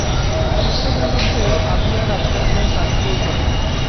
দুঃখজনক যে, আমি আর আপনার হয়ে কাজ করব না।